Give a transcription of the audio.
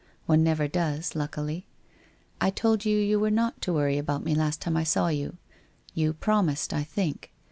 One never does, luckily. I told you you were not to worry about me last time I saw you. You promised, I think.